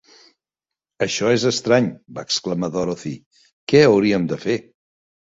"Això és estrany", va exclamar Dorothy; "Què hauríem de fer?"